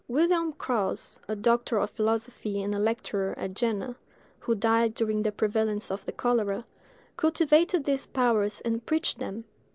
Wilhelm Krause, a doctor of philosophy and a lecturer at Jena, who died during the prevalence of the cholera, cultivated these powers and preached them.